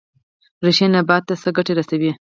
ریښې نبات ته څه ګټه رسوي؟